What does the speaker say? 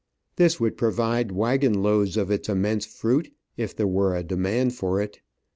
This would provide waggon loads of its immense fruit, if there were a demand for it.